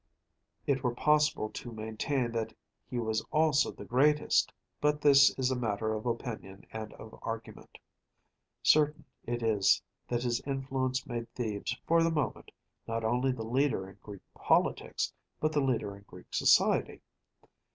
It were possible to maintain that he was also the greatest, but this is a matter of opinion and of argument. Certain it is that his influence made Thebes, for the moment, not only the leader in Greek politics, but the leader in Greek society.